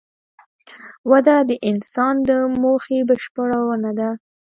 وده د انسان د موخې بشپړونه ده.